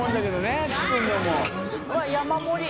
うわっ山盛り。